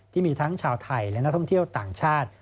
ที่มีทั้งชาวไทยและนักท่องเที่ยวต่างชาติ